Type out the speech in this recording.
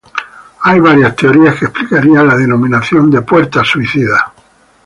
Hay varias teorías que explicarían la denominación de puertas suicidas.